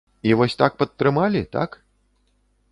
І вось так падтрымалі, так?